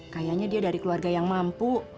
kayaknya dia dari keluarga yang mampu